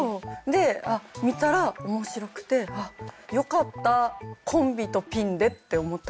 で見たら面白くて「よかったコンビとピンで」って思った記憶が。